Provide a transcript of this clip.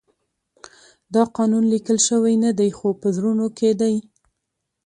دا قانون لیکل شوی نه دی خو په زړونو کې دی.